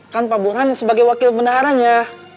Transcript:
kan pak burhan sebagai wakil menaharanya